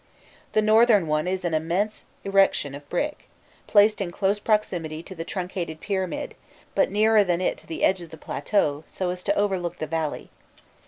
The northern one is an immense erection of brick, placed in close proximity to the truncated pyramid, but nearer than it to the edge of the plateau, so as to overlook the valley.